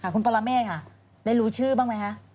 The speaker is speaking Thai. คุณปรเมฆค่ะได้รู้ชื่อบ้างไหมคะ